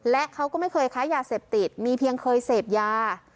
และเขาก็ไม่เคยค้ายาเสพติดมีเพียงเคยเสพยา